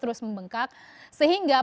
terus membengkak sehingga